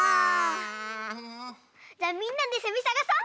じゃあみんなでせみさがそう！